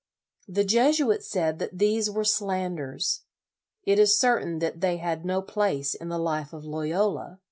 The Jesuits said that these were slanders. It is certain that they had no place in the life of Loyola.